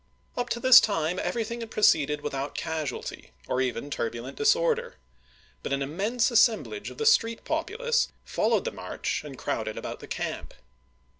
Up to this time everything had proceeded without casualty, or even turbulent disorder ; but an immense assem blage of the street populace followed the march and crowded about the camp.